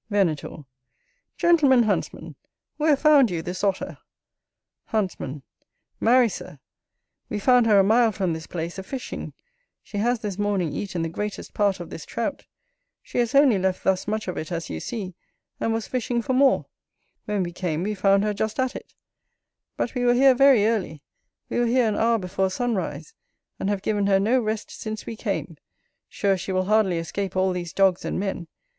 Venator. Gentleman Huntsman, where found you this Otter? Huntsman. Marry, Sir, we found her a mile from this place, a fishing. She has this morning eaten the greatest part of this Trout; she has only left thus much of it as you see, and was fishing for more; when we came we found her just at it: but we were here very early, we were here an hour before sunrise, and have given her no rest since we came; sure she will hardly escape all these dogs and men.